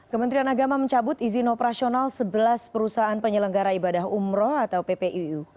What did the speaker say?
kementerian agama mencabut izin operasional sebelas perusahaan penyelenggara ibadah umroh atau ppuu